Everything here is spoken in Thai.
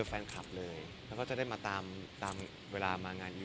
แฟนคลับเลยแล้วก็จะได้มาตามตามเวลามางานอี